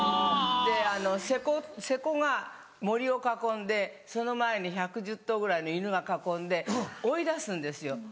で勢子が森を囲んでその前に１１０頭ぐらいの犬が囲んで追い出すんですよ。